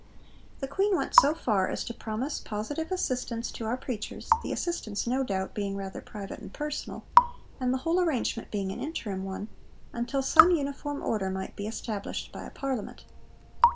The Queen went so far as to promise positive 'assistance to our preachers,' the assistance no doubt being rather private and personal, and the whole arrangement being an interim one, 'until some uniform order might be established by a Parliament.'